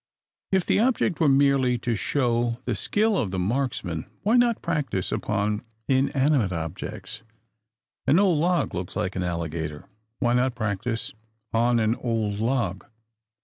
If the object were merely to show the skill of the marksman, why not practise upon inanimate objects? An old log looks much like an alligator: why not practise on an old log?